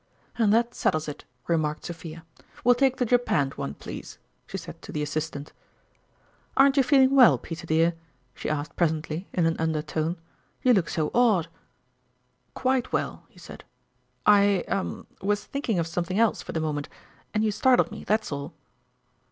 " Then that settles it," remarked Sophia ; "we'll take the japanned one, please," she said to the assistant. " Aren't you feeling well, Peter dear ?" she asked presently, in an undertone. " You look so odd !"" Quite well," he said ;" I ah ! was think ing of something else for the moment, and you startled me, that's all."